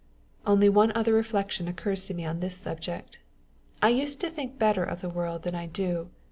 Only one other reflection occurs to me on this subject. I used to think better of the world than I do.